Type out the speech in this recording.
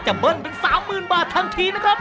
เบิ้ลเป็น๓๐๐๐บาททันทีนะครับ